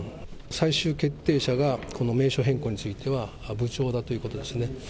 最終決定者がこの名称変更については部長だということですね。